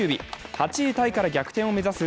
８位タイから逆転を目指す